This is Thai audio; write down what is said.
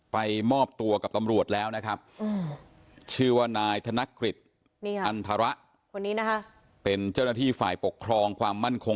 ไปมอบตัวกับตำรวจแล้วนะครับชื่อนายธนคริสต์อันพระเป็นเจ้าหน้าธีษฐ์ฝ่ายปกครองความมั่นคง